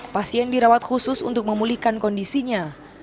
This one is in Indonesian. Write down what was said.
pasien dirawat khusus untuk memulihkan kondisinya